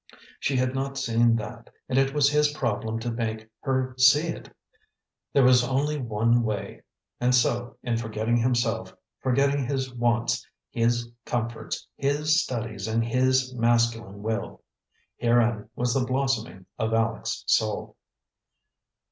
She had not seen that, and it was his problem to make her see it. There was only one way. And so, in forgetting himself, forgetting his wants, his comforts, his studies and his masculine will herein was the blossoming of Aleck's soul.